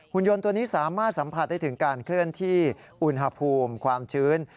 คุณยนต์ตัวนี้สามารถสัมผัสได้ถึงการเคลื่อนที่อุณหภูมิความชื้น